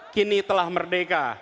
kini telah merdeka